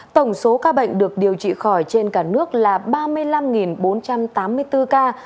tổng số ca bệnh được điều trị khỏi trên cả nước là ba mươi năm bốn trăm tám mươi bốn ca